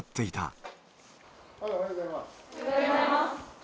おはようございます。